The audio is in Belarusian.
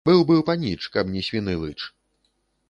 Быў бы паніч, каб не свіны лыч